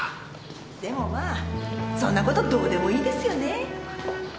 でもまあそんなことどうでもいいですよね。